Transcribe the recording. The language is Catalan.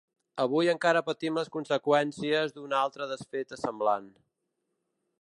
Avui encara patim les conseqüències d’una altra desfeta semblant.